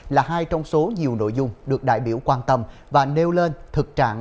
là hai trong số nhiều nội dung được đại biểu quan tâm và nêu lên thực trạng